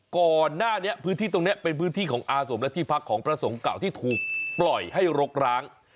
ก่อนหน้านี้พื้นที่ตรงนี้เป็นพื้นที่ของอาสมและที่พักของพระสงฆ์เก่าที่ถูกปล่อยให้รกร้าง